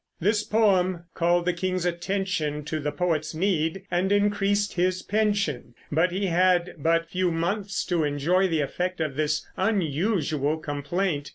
This poem called the king's attention to the poet's need and increased his pension; but he had but few months to enjoy the effect of this unusual "Complaint."